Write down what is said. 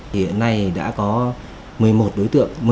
hiện nay đã có một mươi một đối tượng